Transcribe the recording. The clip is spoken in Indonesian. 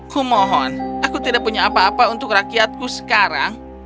kumohon aku tidak punya apa apa untuk rakyatku sekarang